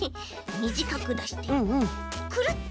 みじかくだしてくるっ！